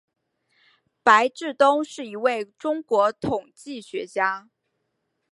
白志东是一位中国统计学家。